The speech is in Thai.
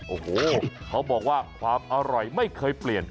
โอ้โหเขาบอกว่าความอร่อยไม่เคยเปลี่ยน